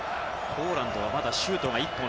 ポーランドはまだシュート１本。